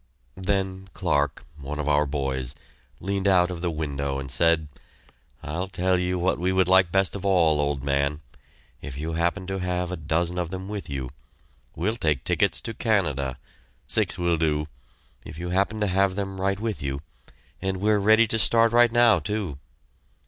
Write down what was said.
Then Clarke, one of our boys, leaned out of the window and said, "I'll tell you what we would like best of all, old man if you happen to have half a dozen of them on you we'll take tickets to Canada six will do if you happen to have them right with you! And we're ready to start right now, too!"